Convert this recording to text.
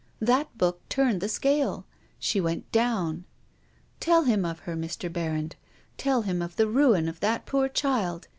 "That book turned the scale. She went down. Tell him of her, Mr. Berrand, tell him of the ruin of that poor child.